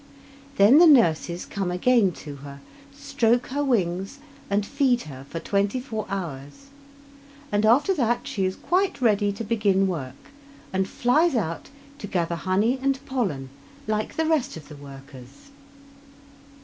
Then the nurses come again to her, stroke her wings and feed her for twenty four hours, and after that she is quite ready to begin work, and flies out to gather honey and pollen like the rest of the workers.